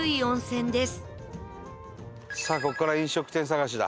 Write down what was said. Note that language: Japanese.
さあここから飲食店探しだ。